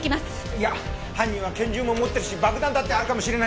いや犯人は拳銃も持ってるし爆弾だってあるかもしれないんだ。